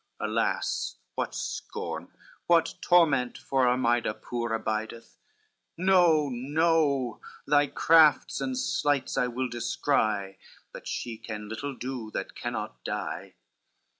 alas, what scorn, What torment for Armida poor abideth? No, no, thy crafts and sleights I well descry, But she can little do that cannot die.